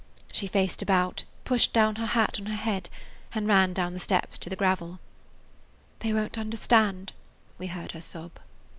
She faced about, pushed down her hat on her head, and ran down the steps to the gravel. "They won't understand!" we heard her sob.